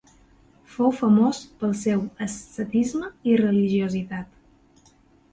Fou famós pel seu ascetisme i religiositat.